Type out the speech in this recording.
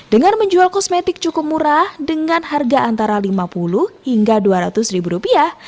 dengan menjual kosmetik cukup murah dengan harga antara lima puluh hingga dua ratus ribu rupiah